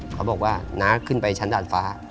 เขาบอกว่าน้าขึ้นไปชั้นดาดฟ้า